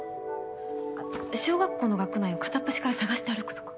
あっ小学校の学区内を片っ端から捜して歩くとか？